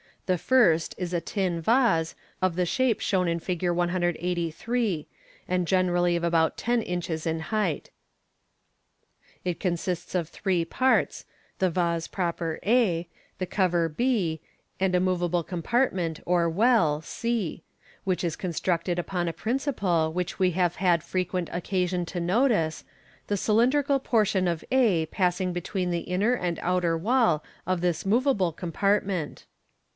The first is a tin vase, of the shape shown in Fig. 183, 2nd generally of about ten inches in height It consists of three parts, the vas^ proper a, the cover h, and a moveable compart ment or well, cs which is constructed upon a principle which we have had frequent occasion to notice, the cylindrical portion of a passing between the inner and outer wall of this moveable com partment.